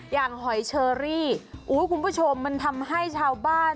หอยเชอรี่คุณผู้ชมมันทำให้ชาวบ้าน